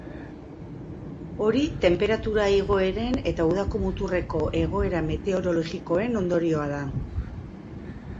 Hori tenperatura igoeren eta udako muturreko egoera meteorologikoen ondorioa da.